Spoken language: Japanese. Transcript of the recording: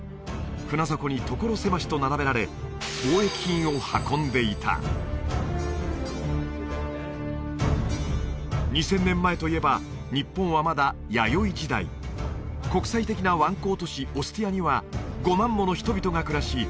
船底に所狭しと並べられ貿易品を運んでいた２０００年前といえば日本はまだ弥生時代国際的な湾口都市オスティアには５万もの人々が暮らし